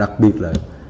đã giúp đỡ